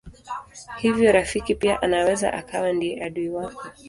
Hivyo rafiki pia anaweza akawa ndiye adui wako.